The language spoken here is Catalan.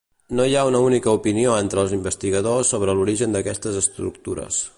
No hi ha una única opinió entre els investigadors sobre l'origen d'aquestes estructures.